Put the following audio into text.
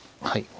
はい。